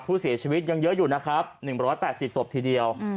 ผู้เสียชีวิตยังเยอะอยู่นะครับ๑๘๐ศพทีเดียว